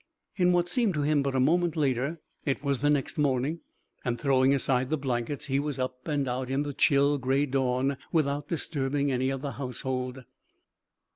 In what seemed to him but a moment later, it was the next morning, and throwing aside the blankets he was up and out in the chill gray dawn without disturbing any of the household.